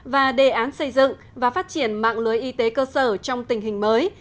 và đề án xây dựng và phát triển mạng lưới y tế cơ sở trong tình hình mới